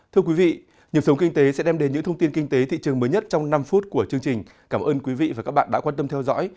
thưa quý vị nhiệm sống kinh tế sẽ đem đến những thông tin kinh tế thị trường mới nhất trong năm phút của chương trình cảm ơn quý vị và các bạn đã quan tâm theo dõi